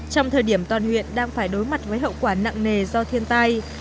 trong thời điểm toàn huyện đang phải đối mặt với hậu quả nặng nề do thiên tai